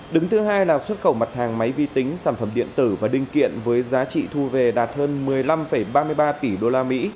đứng thứ hai là xuất khẩu mặt hàng máy vi tính sản phẩm điện tử và đinh kiện với giá trị thu về đạt hơn một mươi năm ba mươi ba tỷ usd